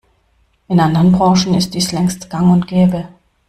In anderen Branchen ist dies längst gang und gäbe.